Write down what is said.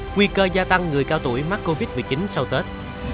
nguy cơ gia tăng người cao tuổi mắc covid một mươi chín sau tết